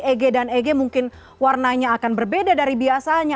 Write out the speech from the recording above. eg dan eg mungkin warnanya akan berbeda dari biasanya